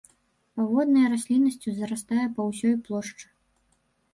Падводнай расліннасцю зарастае па ўсёй плошчы.